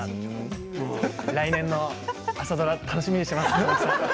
来年の朝ドラ楽しみにしています。